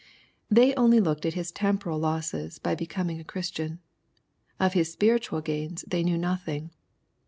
They only looked at his temporal losses by becoming a Christian. Of his spiritual gains they knew nothing.